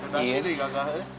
gak sedih kakak